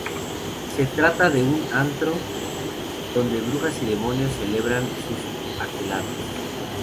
Se trata de un antro donde brujas y demonios celebran sus aquelarres.